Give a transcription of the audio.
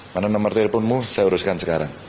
mana nomor teleponmu saya uruskan sekarang